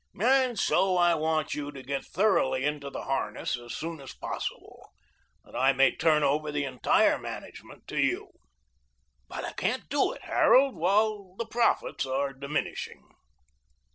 "And so I want you to get thoroughly into the harness as soon as possible, that I may turn over the entire management to you. But I can't do it, Harold, while the profits are diminishing."